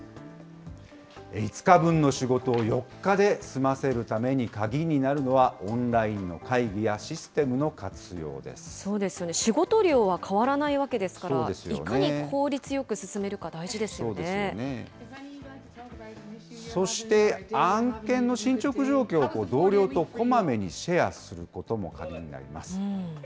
５日分の仕事を４日で済ませるために鍵になるのは、オンラインのそうですよね、仕事量は変わらないわけですから、いかに効率よく進めるか、大事でそして、案件の進捗状況を同僚とこまめにシェアすることも鍵になります。